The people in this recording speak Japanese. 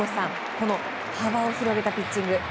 この幅を広げたピッチング。